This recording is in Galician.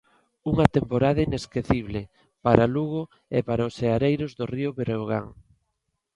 Unha temporada inesquecible para Lugo e para os seareiros do Río Breogán.